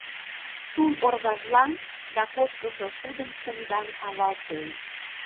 Тул оргажлам да кошкышо шудым кумдан авалтен.